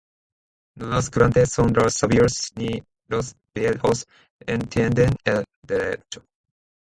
No los grandes son los sabios, Ni los viejos entienden el derecho.